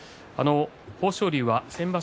豊昇龍は先場所